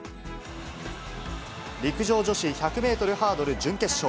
陸上女子１００メートルハードル準決勝。